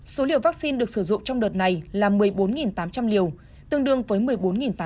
số liều vaccine được sử dụng trong đợt này là một mươi bốn tám trăm linh liều tương đương với một mươi bốn tám trăm linh